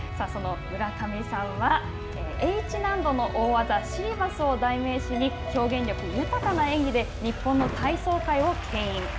その村上さんはＨ難度の大技シリバスを代名詞に表現力豊かな演技で日本の体操界をけん引。